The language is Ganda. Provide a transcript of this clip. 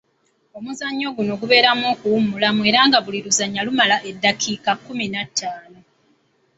Omuzannyo guno mubeeramu okuwummulamu era nga buli luzannya lumala eddakiika kkumi na ttaano.